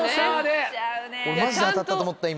俺マジで当たったと思った今。